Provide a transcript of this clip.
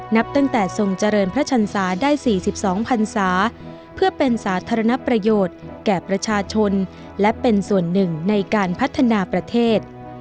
นับตั้งแต่ทรงเจริญพระชันศาได้๔๒พันศาเพื่อเป็นสาธารณประโยชน์แก่ประชาชนและเป็นส่วนหนึ่งในการพัฒนาประเทศ